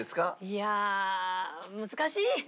いやあ難しい。